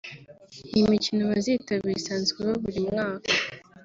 Iyi mikino bazitabira isanzwe iba buri mwaka